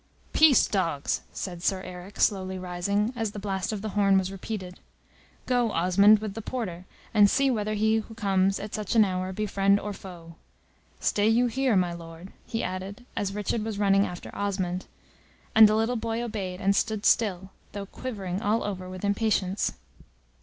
"Peace, dogs!" said Sir Eric, slowly rising, as the blast of the horn was repeated. "Go, Osmond, with the porter, and see whether he who comes at such an hour be friend or foe. Stay you here, my Lord," he added, as Richard was running after Osmond; and the little boy obeyed, and stood still, though quivering all over with impatience.